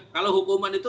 kalau hukuman itu